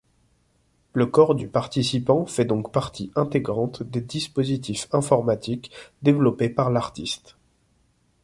Le corps du participant fait donc partie intégrante des dispositifs informatiques développés par l’artiste.